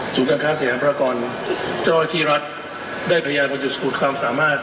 สูตรการณ์ค้าเสียงพลากรเจ้าที่รัฐได้พยายามประจุสูตรความสามารถ